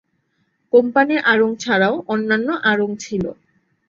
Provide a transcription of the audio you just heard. কোম্পানির আড়ং ছাড়াও অন্যান্য আড়ং ছিল।